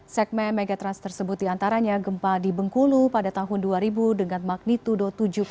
segmen megatrust tersebut diantaranya gempa di bengkulu pada tahun dua ribu dengan magnitudo tujuh empat